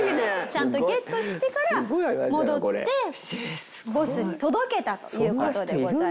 ちゃんとゲットしてから戻ってボスに届けたという事でございます。